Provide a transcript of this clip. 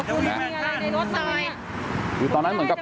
ขอบคุณมีอะไรในรถหน่อยดูตอนนั้นเหมือนกับ